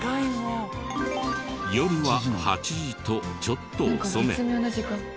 夜は８時とちょっと遅め。